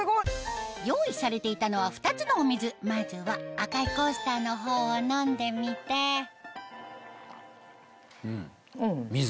用意されていたのは２つのお水まずは赤いコースターの方を飲んでみてうん水。